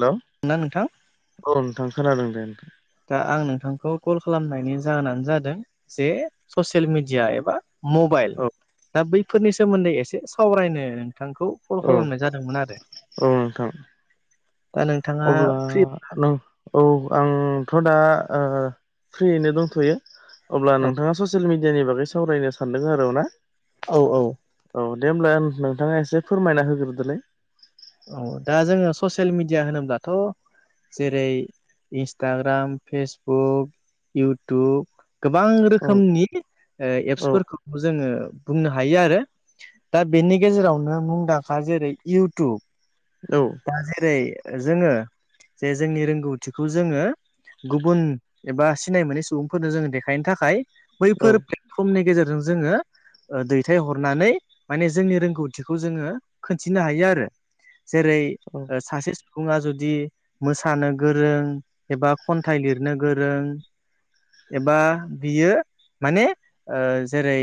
लौ ना नोंथां? औ नोंथां खोनादों दे दा आं नोंथांखौ कल खालामनायनि जाहोनानो जादों जे ससियेल मिडिया एबा मबाइल औ दा बैफोरनि सोमोन्दै एसे सावरायनो नोंथांखौ कल औ खालामनाय जादोंमोन आरो। औ नोंथां दा नोंथाङा अब्ला फ्रि नों औ आंथ' दा ओ फ्रियैनो दंथ'यो। अब्ला औ नोंथांङा ससियेल मिडियानि बागै सावरायनो सानदों आरो ना? औ औ औ दे होमब्ला नोंथांङा एसे फोरमायना होग्रोदोलाय। औ दा जोंङो ससियेल मिडिया होनोब्लाथ' जेरै इन्सटाग्राम, फेसबुक, इउटुब गोबां औ रोखोमनि औ एप्सफोरखौ खौ जोंङो बुंनो हायो आरो दा बेनि गेजेरावनो मुंदांखा जेरै इउटुब औ दा जेरै जोंङो जे जोंनि रोंगौथिखौ जोंङो गुबुन एबा सिनाय मोनै सुबुंफोरनो जोंङो देखायनो थाखाय औ बैफोर समनि गेजेरजों जोंङो ओ दैथायहरनानै माने जोंनि रोंगौथिखौ जोंङो खोन्थिनो हायो आरो। जेरै औ सासे सुबुंङा जुदि मोसानो गोरों एबा खन्थाइ लिरनो गोरों एबा बियो माने ओ जेरै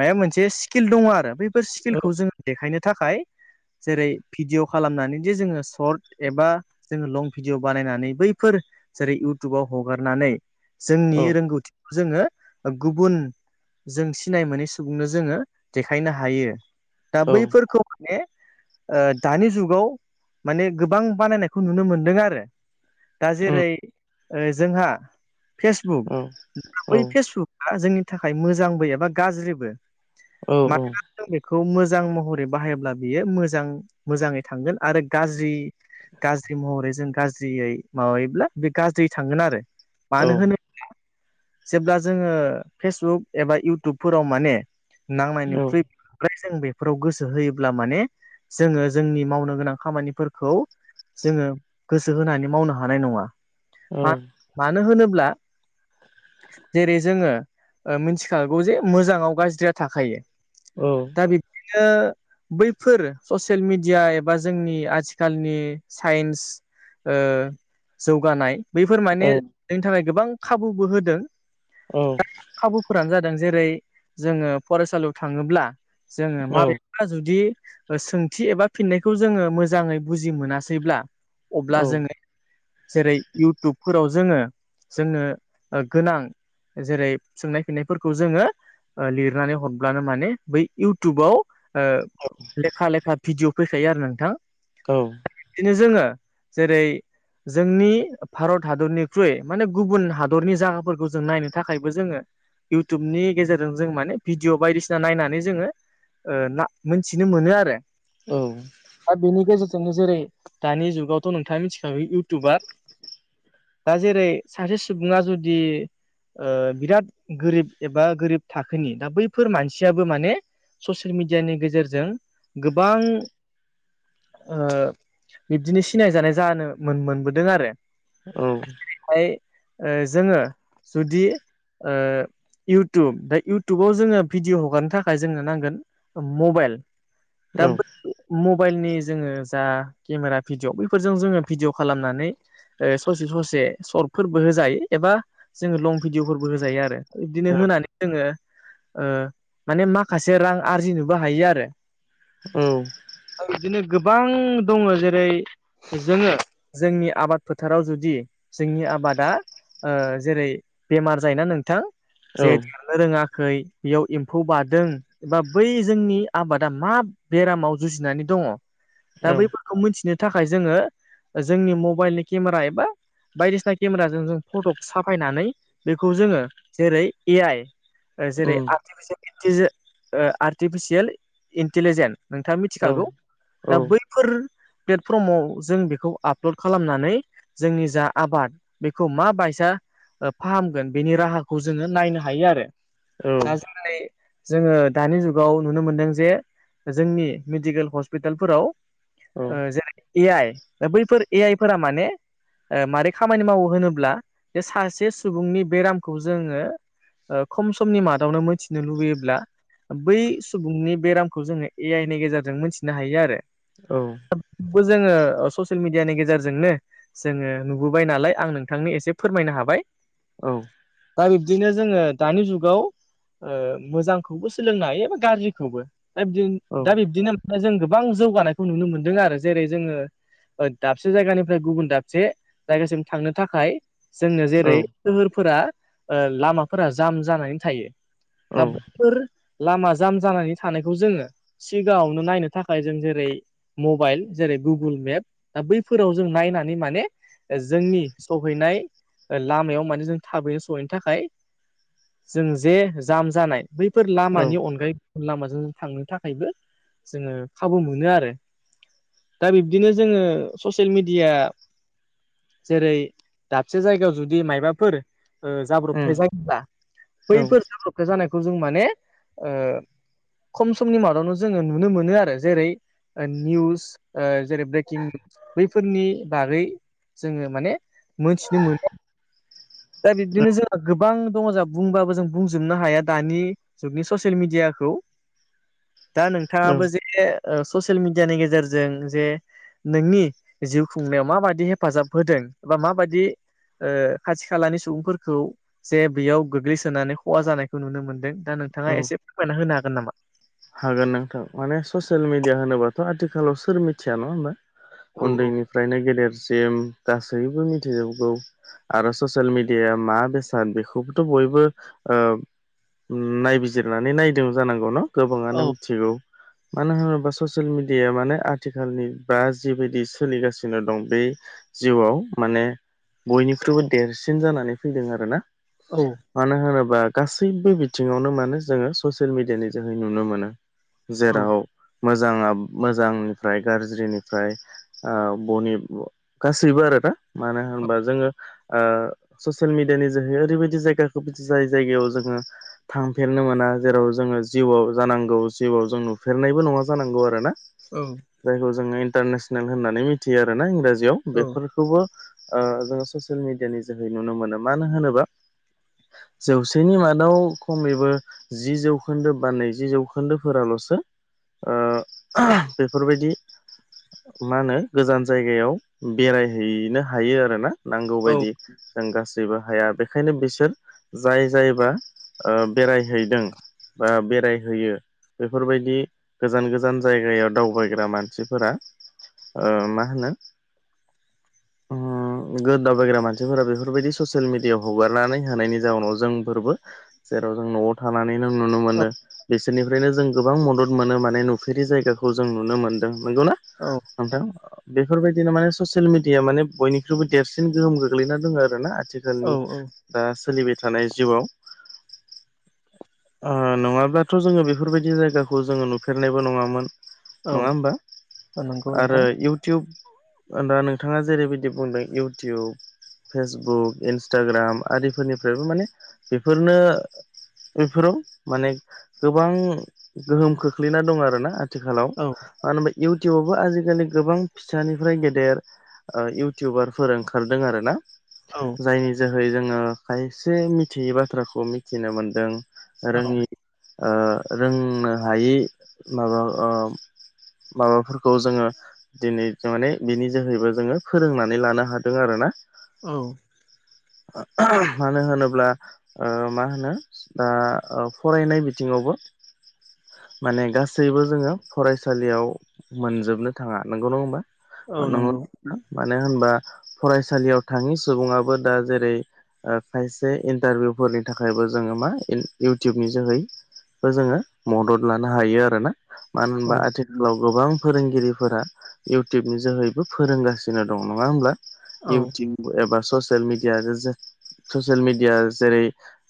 माया मोनसे स्किल दङ आरो बैफोर औ स्किलखौ जों देखायनो थाखाय जेरै भिडिय' खालामनानै जे जोङो सर्ट एबा जोङो लं भिडिय' बानायनानै बैफोर जेरै इउटुबाव हगारनानै जोंनि औ रोंगौथिखौ जोङो गुबुन जों सिनाय मोनै सुबुंनो जोङो देखायनो हायो दा औ बैफोरखौ माने ओ दानि जुगाव माने गोबां बानायनायखौ नुनो मोनदों आरो। दा उम जेरै जोंहा औ फेसबुक औ बै फेसबुक जोंनि थाखाय मोजांबो एबा गाज्रिबो औ मानोना बेखौ मोजां महरै बाहायोब्ला बियो मोजां मोजाङै थांगोन आरो गाज्रि गाज्रि महरै जों गाज्रियै माबायोब्ला बे गाज्रि थांगोन आरो। औ मानो होनोब्ला जेब्ला जोङो फेसबुक एबा इउटुबफोराव माने नांनायनिख्रुइ ओमफ्राय जों बेफोराव गोसो होयोब्ला माने जोङो जोंनि मावनो गोनां खामानिफोरखौ जोङो गोसो होनानै मावनो हानाय नङा औ मानो होनोब्ला जेरै जोङो ओ मिथिखागौ जे मोजाङाव गाज्रिया थाखायो। औ। दा बिदिनो बैफोर ससियेल मिडिया एबा जोंनि आथिखालनि साइन्स ओ जौगानाय बैफोर माने जोंनि थाखाय गोबां खाबुबो होदों। औ। खाबुफोरानो जादों जेरै जोङो फरायसालियाव थाङोब्ला जोङो माबे जुदि ओ सोंथि एबा फिननायखौ जोङो मोजाङै बुजि मोनासैब्ला अब्ला जोङो जेरै इउटुबफोराव जोङो जोंनो ओ गोनां। जेरै सोंनाय फिनायफोरखौ जोङो ओ लिरनानै हरब्लानो माने बै इउटुबाव ओ औ। लेखा लेखा भिडिअ' फैखायो आरो नोंथां। औ। बिदिनो जोङो जेरै जोंनि भारत हादरनिख्रुय माने गुबुन हादरनि जायगाफोरखौ जों नायनो थाखायबो जोङो इउटुबनि गेजेरजों जों माने भिडिअ' बायदिसिना नायनानै जोङो ओ [unintelligible] थिनो मोनो आरो। औ। दा बेनि गेजेरजोंनो जेरै दानि जुगावथ' नोंथाङा मिथिखागौ इउटुबा दा जेरै सासे सुबुङा जुदि ओ बिराद गोरिब एबा गोरिब थाखोनि दा बैफोर मानसियाबो माने ससियेल मिडियानि गेजेरजों गोबां। ओ बिब्दिनो सिनाय जानाय जानो मोन-मोनबोदों आरो। औ। [unintelligible] ओ जोङो जुदि ओ इउटुब दा इउटुबाव जोङो भिडिअ' हगारनो थाखाय जोंनो नांगोन मबाइल। [unintelligible] मबाइलनि जोङो जा केमेरा भिडिअ' [unintelligible] जोङो भिडिअ' खालामनानै ओ ससे ससे सर्टफोरबो होजायो एबा जोङो लं भिडिअफोरबो होजायो आरो। बिदिनो होनानै जोङो ओ माने माखासे रां आरजिनोबो हायो आरो। औ। बिदिनो गोबां दङ जेरै जोङो जोंनि आबाद फोथाराव जुदि जोंनि आबादा ओ जेरै बेमार जायोना नोंथां औ जे देरनो रोङाखै बेयाव एम्फौ बारदों बा बै जोंनि आबाद दा मा बेरामाव जुजिनानै दङ दा औ बैफोर खौ मिथिनो थाखाय जोङो जोंनि मबाइलनि केमेरा एबा बायदिसिना केमेराजों जों फट' साफायनानै बेखौ जोङो जेरै ए आइ जेरै ओं आर्टिफिसियेल इन्टिजे ओ आर्टिफिसियेल इन्टिलिजेन नोंथाङा औ मिथिखागौ औ दा बै फोर प्लेटफर्माव जों बेखौ आपल'ड खालामनानै जोंनि जा आबाद बेखौ मा बायसा ओ फाहामगोन बेनि राहाखौ जोङो नायनो हायो आरो औ दा जों दिनै जोङो दानि जुगाव नुनो मोनदों जे जोंनि मेडिकेल हस्पिटालफोराव औ ओ जेरै ए आइ दा बैफोर ए आइफोरा माने ओ मारै खामानि मावो होनोब्ला ज सासे सुबुंनि बेरामखौ जोङो ओ खम समनि मादावनो मिथिनो लुबैयोब्ला बै सुबुंनि बेराम खौ जोङो ए आइ नि गेजेरजों मिथिनो हायो आरो औ। बेबो जोङो ससियेल मिडियानि गेजेरजोंनो जोङो नुबोबाय नालाय आं नोंथांनि एसे फोरमायनो हाबाय औ। दा बिब्दिनो जोङो दानि जुगाव ओ मोजांखौबो सोलोंनो हायो एबा गाज्रिखौबो दा बिदि औ दा बिब्दिनो दा जों गोबां जौगानायखौ नुनो मोनदों आरो जेरै जोङो ओ दाबसे जायगानिफ्राय गुबुन दाबसे जायगासिम थांनो थाखाय जोंनो औ जेरै सोहोरफोरा ओ लामाफोरा जाम जानानै थायो। दा उम बैफोर लामा जाम जानानै थानाय बेखौ जोङो सिगाङावनो नायनो थाखाय जों जेरै मबाइल जेरै गुगोल मेप दा बैफोराव जों नायनानै माने जोंनि सहैनाय लामायाव माने जों थाबैनो सहैनो थाखाय जों जे जाम जानाय बैफोर लामानि अनगायैबो लामाजों थांनो थाखायबो जोङो खाबु मोनो आरो। दा बिब्दिनो जोङो ससियेल मिडिया जेरै दाबसे जायगायाव जुदि मायबाफोर ओ जाब्रबथाय जायोब्ला औ बैफोर जाब्रबथाय जानायखौ जों माने ओ खम समनि मादावनो जोङो नुनो मोनो आरो जेरै निउस ओ जेरै ब्रेकिं निउस बैफोरनि बागै जोङो माने मोनथिनो मोनो। दा बिब्दिनो जोंहा गोबां गोबां दङ जोंहा बुंबाबो जों बुंजोबनो हाया दानि जुगनि ससियेल मिडियाखौ दा औ नोंथाङाबो जे ओ ससियेल मिडियानि गेजेरजों जे नोंनि जिउ खुंनायाव माबादि हेफाजाब होदों एबा माबादि ओ खाथि खालानि सुबुंफोरखौ जे बेयाव गोग्लैसोनानै खहा जानायखौ नुनो मोनदों दा औ नोंथाङा एसे फोरमायना होनो हागोन नामा? हागोन नोंथां, माने ससियेल मिडिया होनोबाथ' आथिखालाव सोर मिथिया नङा होनोमबा? औ औ उन्दैनिफ्रायनो गेदेरसिम गासैबो मिथिजोबगौ। आरो ससियेल मिडियाया मा बेसाद बेखौबोथ' बयबो ओ नायबिजिरनानै नायदों जानांगौ न गोबाङानो औ मिथिगौ। मानो होनोब्ला ससियेल मिडियाया माने आथिखालनि बा जिबायदि सोलिगासिनो दं बे जिउआव माने बयनिख्रुइबो देरसिन जानानै फैदों आरोना। औ मानो होनोबा गासैबो बिथिङावनो माने जोङो ससियेल मिडियानि जोहै नुनो मोनो। औ जेराव मोजाङा मोजांनिफ्राय गाज्रिनिफ्राय ओ बनि ब गासैबो आरो दा मानो औ होनबा जोङो ओ ससियेल मिडियानि जोहै ओरैबायदि जायगाखौ बिदि जाय जायगायाव जोङो थांफेरनो मोना जेराव जोङो जिउआव जानांगौ जिउआव जों नुफेरनायबो नङा जानांगौ आरोना औ जायखौ जोङो इन्टारनेसनेल होननानै मिथियो आरोना इंराजियाव औ बेफोर खौबो ओ जोङो ससियेल मिडियानि जोहै नुनो मोनो मानो होनोबा जौसेनि मादाव खमैबो जि जौ जौखोन्दो बा नैजि जौखोन्दोफोरालसो ओ बेफोरबायदि मा होनो गोजान जायगायाव बेरायहैनो हायो आरो ना औ नांगौबायदि जों गासैबो हाया बेखायनो बिसोर जाय जायबा ओ बेरायहैदों बा बेरायहोयो बेफोरबायदि गोजान गोजान जायगायाव दावबायग्रा मानसिफोरा ओ मा होनो उम गोद दावाबबायग्रा मानसिफोरा बेफोरबायदि ससियेल मिडियाव हगारनानै होनायनि जाउनाव जोंफोरबो जेराव जों न'आव थानानै नों नुनो मोनो बे बिसोरनिफ्रायनो जों गोबां मदद मोनो माने नुफेरि जायगाखौ जों नुनो मोनदों नंगौना? औ नोंथां बेफोरबायदिनो माने ससियेल मिडिया माने बयनिख्रुइबो देरसिन गोहोम गोग्लैना दङ आरो ना आथिख औ खालनि औ दा सोलिबाय थानाय जिउआव ओ नङाब्लाथ जोङो बेफोरबायदि जायगाखौ जोङो नुफेरनायबो नङामोन। औ नङा होमबा औ नंगौ आरो नोंथां इउटुब दा नोंथाङा जेरैबायदि बुंदों इउटिउब फेसबुक इन्सटाग्राम आरदिफोरनिफ्रायबो माने बेफोरनो बेफोराव माने गोबां गोहोम खोख्लैना दं आरोना आथिखालाव औ मानो इउटुबावबो आजिखालि गोबां फिसानिफ्राय गेदेर ओ इउटुबारफोर ओंखारदों आरो ना औ जायनि जोहै जोङो खायसे मिथियै बाथ्राखौ मिथिनो मोन्दों औ रोङि ओ रोंनो हायि माबा ओ माबाफोरखौ जोङो दिनै माने बिनि जोहैबो जोङो फोरोंनानै लानो हादों आरोना औ मानो होनोब्ला ओ मा होनो दा ओ फरायनाय बिथिङावबो माने गासैबो जोङो फरायसालियाव मोनजोबनो थाङा नंगौ नङा होमबा नंगौ नोंथां मानो होनबा फरायसालियाव थाङि सुबुङाबो दा जेरै ओ खायसे इन्टारभिउफोरनि थाखायबो जोङो मा इउटुबनि जोहै ओ जोङो मदद लानो हायो आरोना मानो औ होनबा आथि खालाव गोबां फोरोंगिरिफोरा इउटुइबनि जोहैबो फोरोंगासिनो दं नङा होमब्ला? औ इउटुइब एबा ससियेल मिडिया आरो जो ससियेल मिडिया जेरै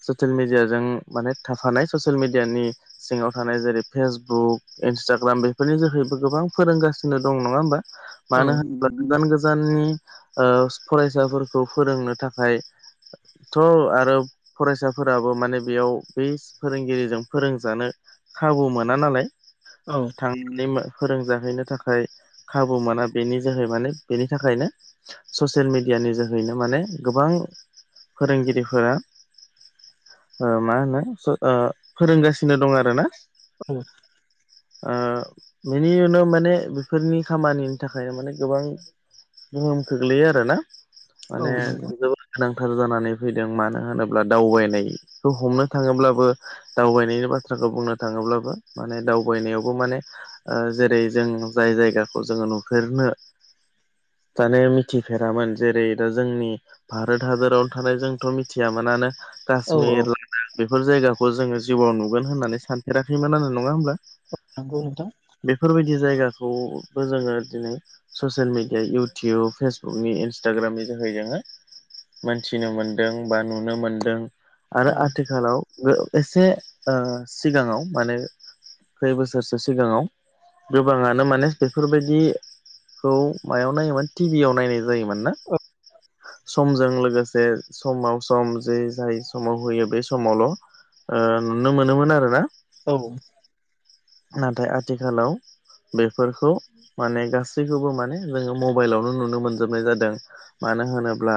ससियेल मिडियाजों माने थाफानाय ससियेल मिडियानि सिङाव थानाय जेरै फेसबुक इन्सटाग्राम बेफोरनि जोहैबो गोबां फोरोंगासिनो दं नङा होमबा औ मानो होनोबा गोजान गोजाननि ओ फरायसाफोरखौ फोरोंनो थाखाय थ‌ आरो फरायसाफोराबो माने बेयाव बे फोरोंगिरिजों फोरोंजानो खाबु मोना नालाय औ थां नै मा फोरोंजाहैनो थाखाय खाबु मोना बेनि जोहै माने बेनि थाखायनो ससियेल मिडियानि जोहैनो माने गोबां फोरोंगिरिफोरा ओ मा होनो स ओ फोरोंगासिनो दं आरो ना औ ओ बेनि उनाव माने बेफोरनि खामानिनि थाखायनो माने गोबां गोहोम खोख्लैयो आरोना औ माने नंगौ जोबोर गोनांथार जानानै फैदों मानो होनोब्ला दावबायनायखौ हमनो थाङोब्लाबो दावबायनायनि बाथ्राखौ बुंनो थाङोब्लाबो माने दावबायनायावबो माने ओ जेरै जों जाय जायगाखौ जोङो नुफेरनो जाने मिथिफेरामोन जेरै दा जोंनि भारोत हादोरावनो थानाय जोंथ मिथियामोनानो औ काश्मिर औ बेफोर जायगाखौ जोङो जिउआव नुगोन होननानै सानफेराखैमोन आरो नङा होमब्ला? नंगौ नोंथां बेफोरबायदि जायगाखौबो जोङो दिनै ससियेल मिडिया इउटिउब फेसबुक नि टाग्रामनि जोहै जोङो मोनथिनो मोन्दों बा नुनो मोनदों आरो औ आथिखालाव गो एसे ओ सिगाङाव माने खै बोसोरसो सिगाङाव गोबाङानो माने बेफोरबायदि खौ मायाव नायोमोन टिभियाव नायनाय जायोमोन ना? औ समजों लोगोसे समाव सम जे जाय समाव होयो बे समावल ओ नुनो मोनोमोन आरो ना औ नाथाय आथिखालाव बेफोरखौ माने गासैखौबो माने जोङो मबाइलावनो नुनो मोनजोबनाय जादों मानो होनोब्ला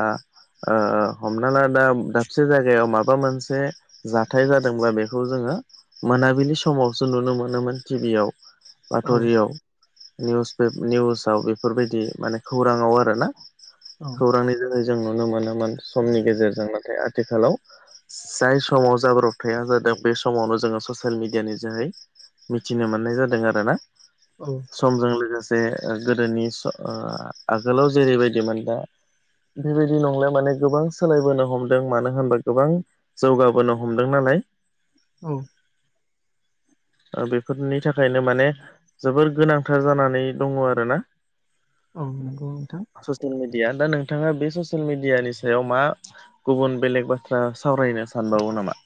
ओ हमना ला दा दाबसे जायगायाव माबा मोनसे जाथाय जादोंब्ला बेखौ जोङो मोनाबिलि समावसो नुनो मोन मोन टिभियाव बाथ रियाव निउस पे निउसाव बेफोरबायदि माने खौराङाव आरोना खौरांनि जेरै जों नुनो मोनोमोन समनि गेजेरजों नाथाय आथिखालाव जाय समाव जाब्रबथाया जादों बे समावनो जोङो ससियेल मिडियानि जोहै मिथिनो मोननाय जादों आरो ना औ समजों लोगोसे ओ गोदोनि स ओ आगोलाव जेरैबायदिमोन दा बेबायदि नंले माने गोबां सोलायबोनो हमदों मानो होनबा गोबां जौगाबोनो हमदों नालाय औ ओ बेफोरनि थाखायनो माने जोबोर गोनांथार जानानै दङ आरो ना औ नंगौ नोंथां ससियेल मिडिया दा नोंथाङा बे ससियेल मिडियानि सायाव मा? गुबुन बेलेग बाथ्रा सावरायनो सानबावो नामा?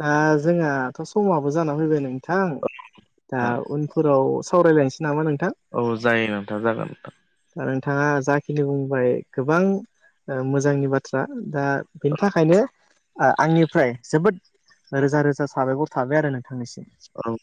दा जोंहाथ समाबो जाना फैबाय नोंथां दा उन फोराव सावरायलायनोसै नामा नोंथां? औ औ जायो नोंथां जागोन नोंथां दा नोंथाङा जाखिनि बुंबाय गोबां ओ मोजांनि बाथ थ्रा दा बेनि थाखायनो आं आंनिफ्राय जोबोद रोजा रोजा साबायखर थाबाय आरो नोंथांनिसिम औ